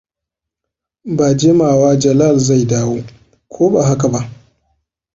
Ba jimawa Jalal zai dawo, ko ba haka ba?